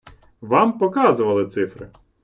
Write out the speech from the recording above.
Вам показували цифри.